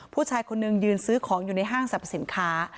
ผู้ชายคนนึงยืนซื้อของอยู่ในห้างสรรพสินค้า